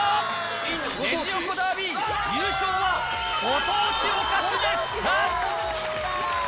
レジ横ダービー、優勝はご当地お菓子でした。